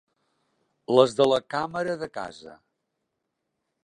Les de la càmera de casa.